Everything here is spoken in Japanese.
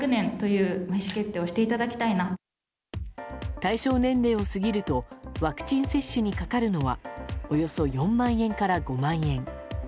対象年齢を過ぎるとワクチン接種にかかるのはおよそ４万円から５万円。